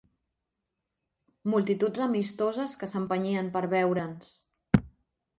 Multituds amistoses que s'empenyien per veure'ns